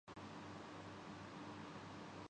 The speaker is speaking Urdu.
یہ فیصلہ بالکل درست تھا۔